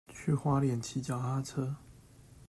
去花蓮騎腳踏車